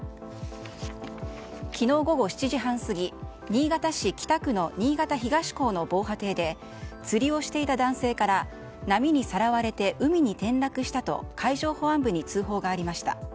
昨日午後７時半過ぎ新潟市北区の新潟東港の防波堤で釣りをしていた男性から波にさらわれて海に転落したと海上保安部に通報がありました。